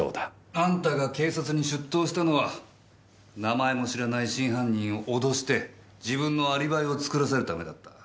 あんたが警察に出頭したのは名前も知らない真犯人を脅して自分のアリバイを作らせるためだった。